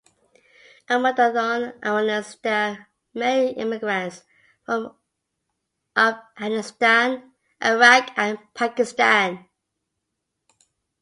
Among the non-Iranians, there are many immigrants from Afghanistan, Iraq and Pakistan.